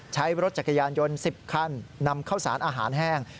ใช้รถจักรยานยนต์๑๐คันนำเข้าสารอาหารแห้ง